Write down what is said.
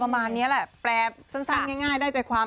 ประมาณนี้แหละแปลสั้นง่ายได้ใจความ